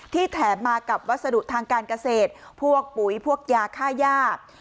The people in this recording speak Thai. แถมมากับวัสดุทางการเกษตรพวกปุ๋ยพวกยาค่าย่า